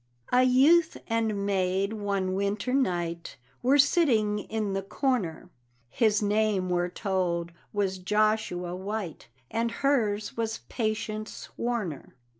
A youth and maid, one winter night, Were sitting in the corner; His name, we're told, was Joshua White, And hers was Patience Warner.